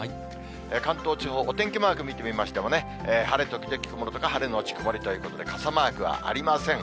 関東地方、お天気マーク見てみましてもね、晴れ時々曇りとか、晴れ後曇りということで、傘マークはありません。